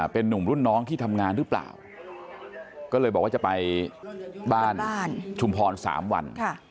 เป็นนุ่มรุ่นน้องที่ทำงานหรือเปล่าก็เลยบอกว่าจะไปบ้านชุมพร๓วัน